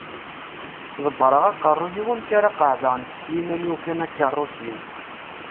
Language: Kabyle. Ḍebbreɣ aqerru-iw amek ara qeεεdeɣ nekk s yiman-iw kan akeṛṛus-iw.